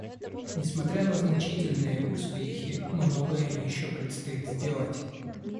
Несмотря на значительные успехи, многое еще предстоит сделать.